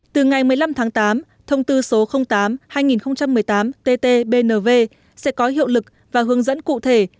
từ ngày một mươi năm tháng tám thông tư số tám hai nghìn một mươi tám tt bnv sẽ có hiệu lực và hướng dẫn cụ thể